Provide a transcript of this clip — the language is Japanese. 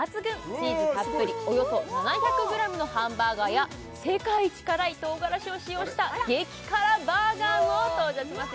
チーズたっぷりおよそ７００ｇのハンバーガーや世界一辛いとうがらしを使用した激辛バーガーも登場します